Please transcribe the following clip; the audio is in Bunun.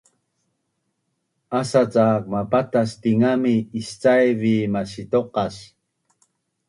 Asa cak mapatas tingami iscaiv vi masitoqas